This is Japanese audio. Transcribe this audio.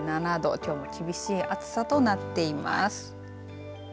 きょうも厳しい暑さとなっています。